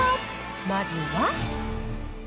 まずは。